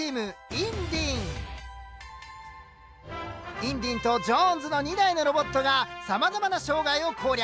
インディンとジョーンズの２台のロボットがさまざまな障害を攻略。